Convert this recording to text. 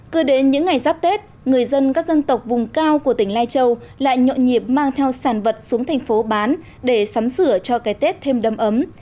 cứ đến những ngày giáp tết người dân các dân tộc vùng cao của tỉnh lai châu lại nhộn nhịp mang theo sản vật xuống thành phố bán để sắm sửa cho cái tết thêm đâm ấm